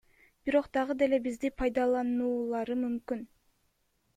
Бирок дагы деле бизди пайдалануулары мүмкүн.